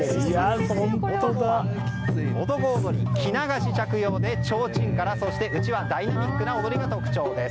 男踊り、着流し着用でちょうちん、うちわダイナミックな踊りが特徴です。